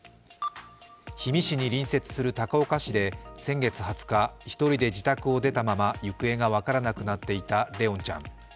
氷見市に隣接する高岡市で先月２０日、１人で自宅を出たまま行方が分からなくなっていた怜音ちゃん。